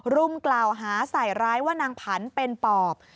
รุมกล่าวหาใส่ร้ายว่านางผันเป็นปอบ